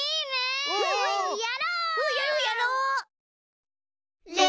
うんやろうやろう！